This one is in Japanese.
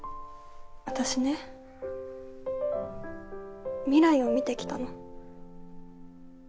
私ね未来を見てきたの。